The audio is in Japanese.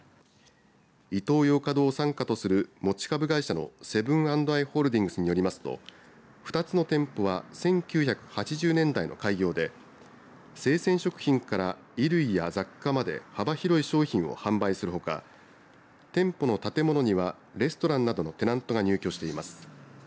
イトーヨーカ堂を傘下とする持ち株会社のセブン＆アイ・ホールディングスによりますと２つの店舗は１９８０年代の開業で生鮮食品から衣類や雑貨まで幅広い商品を販売するほか店舗の建物にはレストランなどのテナントが入居しています。